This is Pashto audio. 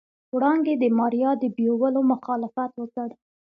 وړانګې د ماريا د بيولو مخالفت وکړ.